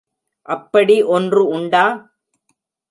அப்படி ஒன்று உண்டா?